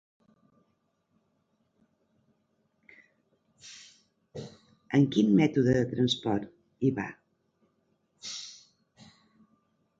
Amb quin mètode de transport hi va?